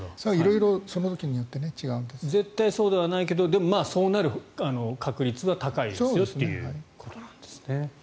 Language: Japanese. その時によって絶対そうではないけどでも、そうなる確率が高いですよということですね。